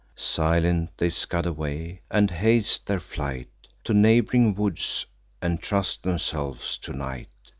Silent they scud away, and haste their flight To neighb'ring woods, and trust themselves to night.